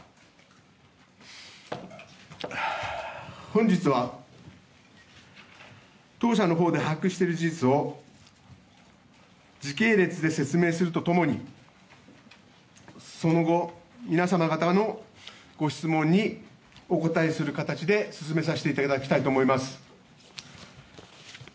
本日は当社のほうで把握している事実を時系列で説明すると共にその後、皆様方のご質問にお答えする形で進めさせていただきたいと思います。